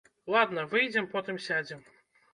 Ладна, выйдзем, потым сядзем.